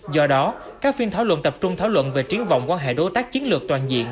do đó các phiên thảo luận tập trung thảo luận về triến vọng quan hệ đối tác chiến lược toàn diện